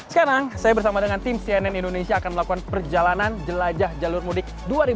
sekarang saya bersama dengan tim cnn indonesia akan melakukan perjalanan jelajah jalur mudik dua ribu dua puluh